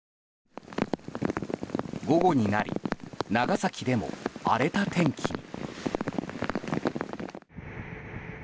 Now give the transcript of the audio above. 午後になり長崎でも荒れた天気に。